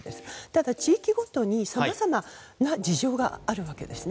ただ、地域ごとにさまざまな事情があるわけです。